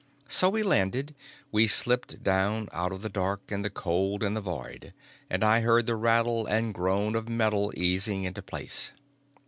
So we landed, we slipped down out of the dark and the cold and the void, and I heard the rattle and groan of metal easing into place.